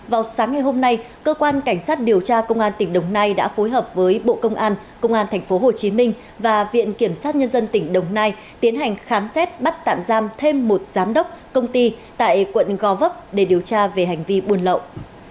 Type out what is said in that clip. vào sáng ngày hôm nay cơ quan cảnh sát điều tra công an tỉnh đồng nai đã phối hợp với bộ công an công an tp hcm và viện kiểm sát nhân dân tỉnh đồng nai tiến hành khám xét bắt tạm giam thêm một giám đốc công ty tại quận gò vấp để điều tra về hành vi buôn lậu